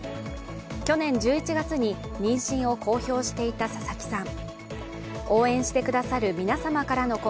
去年１１月に妊娠を公表していた佐々木さん。